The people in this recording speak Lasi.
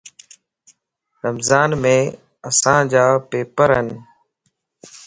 رمضانم اسانجا پيپرن